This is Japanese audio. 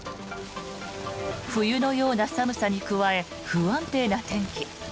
冬のような寒さに加え不安定な天気。